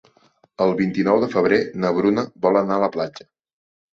El vint-i-nou de febrer na Bruna vol anar a la platja.